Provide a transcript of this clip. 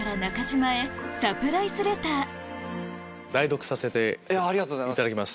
代読させていただきます。